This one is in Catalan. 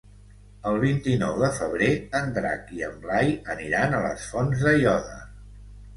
El vint-i-nou de febrer en Drac i en Blai aniran a les Fonts d'Aiòder.